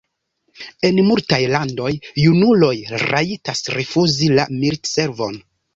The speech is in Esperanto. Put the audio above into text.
En multaj landoj junuloj rajtas rifuzi la militservon.